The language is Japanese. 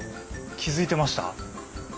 気付いてました。